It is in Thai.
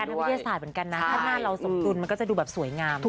มันเป็นหลักการทางวิทยาศาสตร์เหมือนกันนะถ้าหน้าเราสมดุลมันก็จะดูแบบสวยงามเนอะ